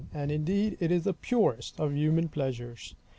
And indeed it is the purest of human pleasures.